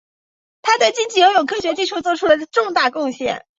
他对竞技游泳科学技术做出了重大贡献。